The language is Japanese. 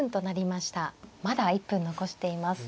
まだ１分残しています。